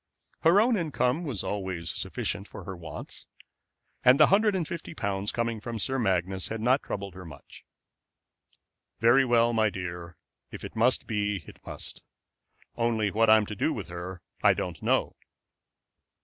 Her own income was always sufficient for her wants, and the hundred and fifty pounds coming from Sir Magnus had not troubled her much. "Well, my dear, if it must be it must; only what I'm to do with her I do not know."